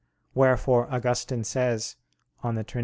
Wherefore Augustine says (De Trin.